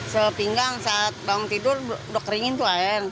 sepinggang saat bangun tidur udah keringin tuh air